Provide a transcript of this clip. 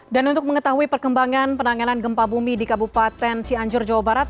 dan untuk mengetahui perkembangan penanganan gempa bumi di kabupaten cianjur jawa barat